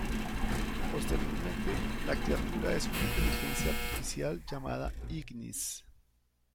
Posteriormente, la criatura es una inteligencia artificial llamada Ignis.